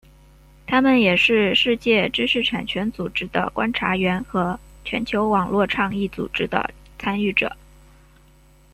他们也是世界知识产权组织的观察员和全球网络倡议组织的参与者。